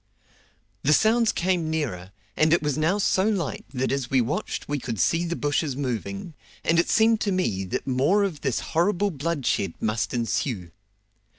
The sounds came nearer, and it was now so light that as we watched we could see the bushes moving, and it seemed to me that more of this horrible bloodshed must ensue.